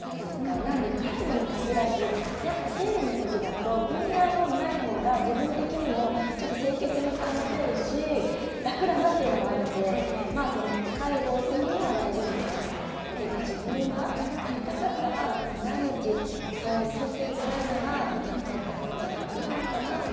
なので、介護に限らずやっぱ生理の時だとＶＩＯない方が、自分的にもちょっと清潔に保てるし楽だなっていうのはあるので介護的には大丈夫っておっしゃってましたけど自分がやりたかったら毎日、毛をそってるぐらいならやっちゃった方が楽なのかなとは思いますね。